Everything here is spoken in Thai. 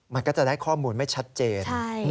มันก็จะได้ข้อมูลไม่ชัดเจน